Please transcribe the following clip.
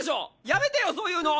やめてよそういうの！